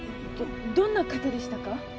どんな方でしたか？